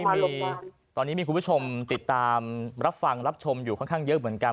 ครับคุณรัชนีครับตอนนี้มีคุณผู้ชมติดตามรับฟังรับชมอยู่ค่อนข้างเยอะเหมือนกัน